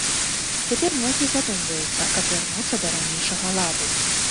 Цяпер многія задумваюцца, каб вярнуцца да ранейшага ладу.